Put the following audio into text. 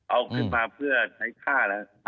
เอาขึ้นมาเพื่อใช้ฆ่าแล้ว